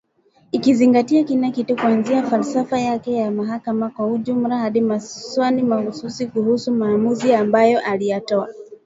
Ikizingatia kila kitu kuanzia falsafa yake ya mahakama kwa ujumla hadi maswali mahususi kuhusu maamuzi ambayo aliyatoa.